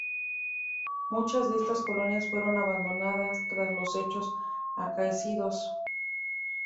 Muchas de esas colonias fueron abandonadas tras los hechos acaecidos.